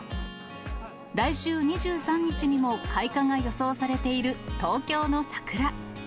来週２３日にも開花が予想されている東京の桜。